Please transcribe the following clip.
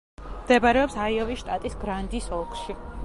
მდებარეობს აიოვის შტატის გრანდის ოლქში.